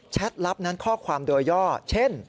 ลับนั้นข้อความโดยย่อเช่น